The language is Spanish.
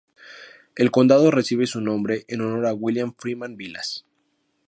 El condado recibe su nombre en honor a William Freeman Vilas.